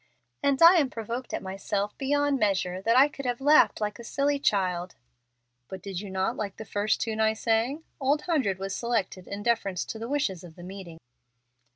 "And I am provoked at myself beyond measure, that I could have laughed like a silly child." "But did you not like the first tune I sang? 'Old Hundred' was selected in deference to the wishes of the meeting."